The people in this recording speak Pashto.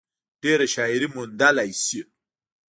ډېره شاعري موندلے شي ۔